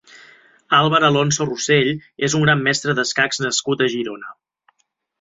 Àlvar Alonso Rosell és un gran Mestre d'escacs nascut a Girona.